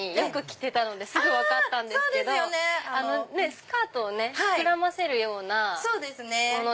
スカートを膨らませるようなもの。